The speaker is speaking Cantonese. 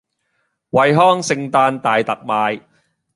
惠康聖誕大特賣